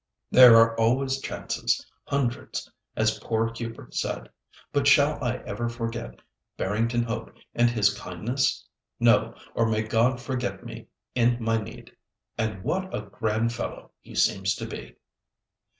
There are always chances. Hundreds, as poor Hubert said. But shall I ever forget Barrington Hope and his kindness? No, or may God forget me in my need. And what a grand fellow he seems to be!"